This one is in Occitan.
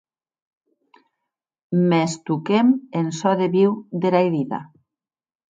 Mès toquem en çò de viu dera herida.